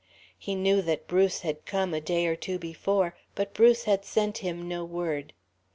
He knew that Bruce had come a day or two before, but Bruce had sent him no word.